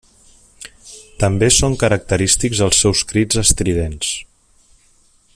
També són característics els seus crits estridents.